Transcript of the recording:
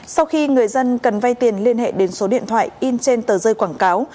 sau khi người dân cần vay tiền liên hệ đến số điện thoại in trên tờ rơi quảng cáo